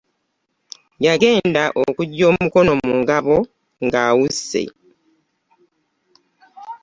Yagenda okuggya omukono mu ngabo ng’awusse.